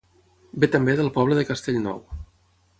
Ve també del poble de Castellnou.